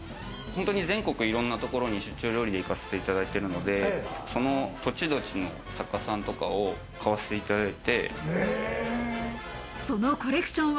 全国、いろんな所に出張料理で行かせていただいてるので、その土地、土地の作家さんとかを買わせていただいて。